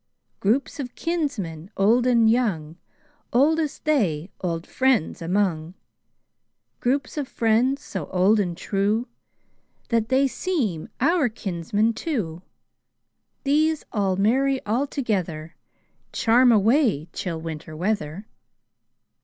Groups of kinsmen, old and young, Oldest they old friends among; Groups of friends, so old and trueThat they seem our kinsmen too; These all merry all togetherCharm away chill Winter weather.